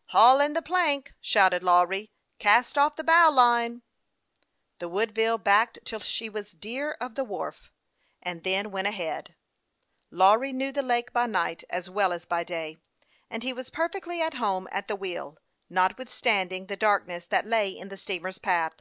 " Haul in the plank !" shouted Lawry. " Cast off the bow line." The Woodville backed till she was clear of the wharf, and then went ahead. Lawry knew the lake by night as well as by day, and he was perfectly at home at the wheel, notwithstanding the darkness that THE YOUNG PILOT OF LAKE CHAMPLAIN. 251 lay in the steamer's path.